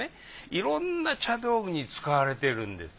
いろんな茶道具に使われてるんです。